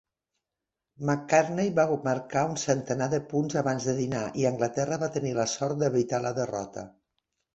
Macartney va marcar un centenar de punts abans de dinar i Anglaterra va tenir la sort d'evitar la derrota.